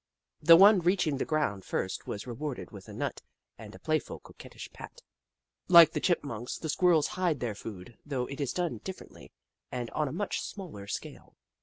The one reaching the ground first was re warded with a nut and a playful, coquettish pat. 96 The Book of Clever Beasts Like the Chipmunks, the Squirrels hide their food, though it is done differently and on a much smaller scale.